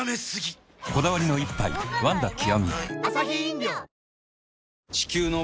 こだわりの一杯「ワンダ極」